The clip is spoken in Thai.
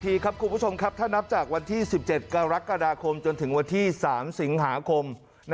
ถ้านับจากวันที่๑๗กรกฎาคมจนถึงวันที่๓สิงหาคม